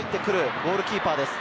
ゴールキーパーです。